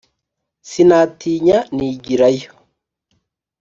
sinatinya nigira yo